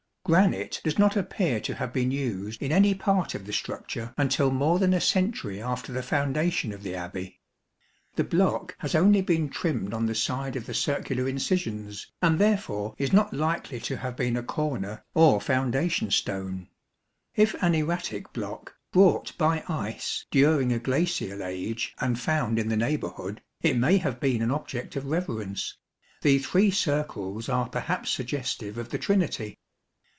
Granite does not appear to have been used in any part of the structure until more than a century after the foundation of the Abbey. The block has only been trimmed on the side of the circular incisions, and therefore is not likely to have been a corner or foundation stone. If an erratic block, brought by ice during a glacial age and found in the neighbourhood, it may have been an object of reverence ; the three circles are perhaps suggestive of the Trinity.